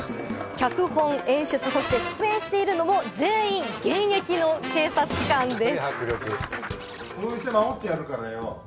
脚本・演出、そして出演しているのも全員現役の警察官です。